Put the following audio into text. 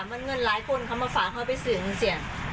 มันเงินกรุ่งได้มาเฝอกินมาส่งมาฝากเมืองสิ่ง